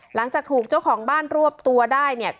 หลังจากถูกเจ้าของบ้านรวบตัวได้เนี่ย